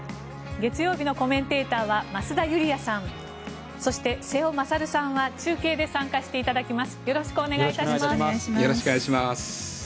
月曜日のコメンテーターは増田ユリヤさんそして、瀬尾傑さんは中継で参加していただきます。